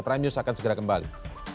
kepada saat ini news akan segera kembali